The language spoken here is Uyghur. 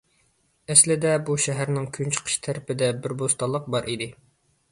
ئەسلىدە بۇ شەھەرنىڭ كۈنچىقىش تەرىپىدە بىر بوستانلىق بار ئىدى.